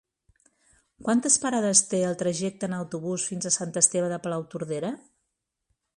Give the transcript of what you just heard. Quantes parades té el trajecte en autobús fins a Sant Esteve de Palautordera?